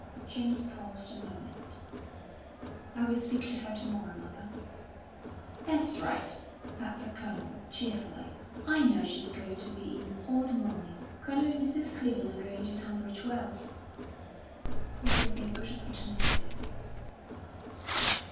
James paused a moment. "I will speak to her to morrow, mother." "That's right!" said the Colonel, cheerfully. "I know she's going to be in all the morning. Colonel and Mrs. Clibborn are going into Tunbridge Wells." "It will be a good opportunity."